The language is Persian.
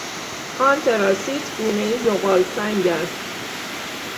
آنتراسیت گونهای زغالسنگ است.